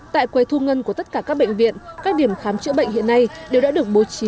tại quầy thu ngân của tất cả các bệnh viện các điểm khám chữa bệnh hiện nay đều đã được bố trí